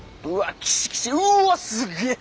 うわすげえ！